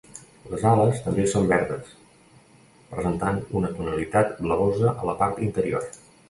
Les ales també són verdes, presentant una tonalitat blavosa a la part interior.